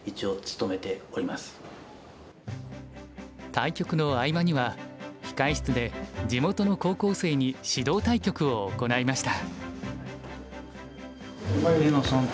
対局の合間には控え室で地元の高校生に指導対局を行いました。